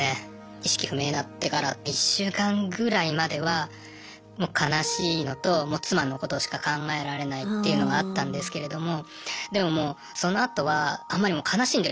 意識不明になってから１週間ぐらいまではもう悲しいのともう妻のことしか考えられないっていうのがあったんですけれどもでももうそのあとはあんまり悲しんでる